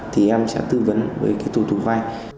thì em sẽ tư vấn với